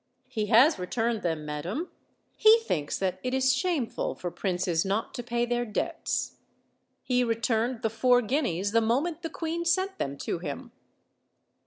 "He has returned them, madam. He thinks that it is shameful for princes not to pay their debts. He re turned the four guineas the moment the queen sent them to him."